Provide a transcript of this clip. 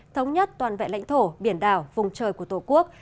thống nhất toàn vẹn lãnh thổ biển đảo vùng trời của tổ quốc